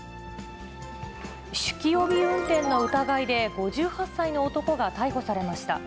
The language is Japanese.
酒気帯び運転の疑いで５８歳の男が逮捕されました。